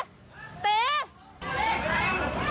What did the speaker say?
เฮ้ยเฮ้ยเฮ้ย